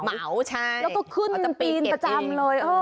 ใช่เขาจะไปเก็บหืมแล้วก็ขึ้นปีนประจำเลย